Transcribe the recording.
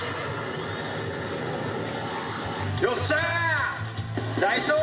よっしゃー！